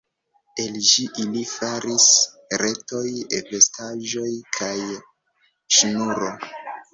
El ĝi ili faris retoj, vestaĵoj, kaj ŝnuro.